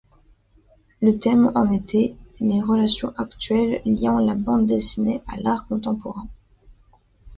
Le thème en était: les relations actuelles liant la bande dessinée à l’art contemporain.